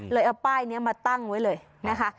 เอาป้ายนี้มาตั้งไว้เลยนะคะ